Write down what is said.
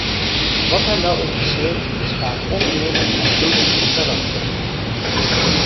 Wat hem wel interesseert is vaak oneerlijk en bloedig van karakter.